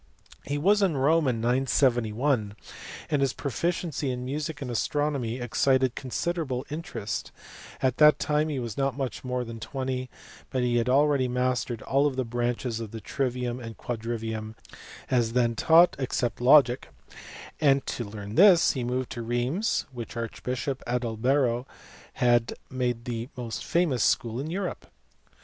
He was in Rome in 971, and his proficiency in music and astronomy excited considerable interest : at that time he was not much more than twenty, but he had already mastered all the branches of the trivium and quadriviuin, as then taught, except logic ; and to learn this he moved to Rheims which archbishop Adalbero had made the most famous school in Europe.